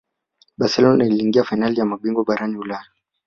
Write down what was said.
barcelona iliingia fainali ya mabingwa barani ulaya